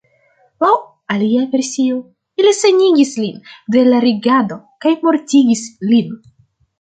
Laŭ alia versio ili senigis lin de la regado kaj mortigis lin.